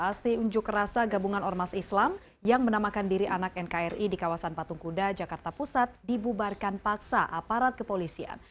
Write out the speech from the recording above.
aksi unjuk rasa gabungan ormas islam yang menamakan diri anak nkri di kawasan patung kuda jakarta pusat dibubarkan paksa aparat kepolisian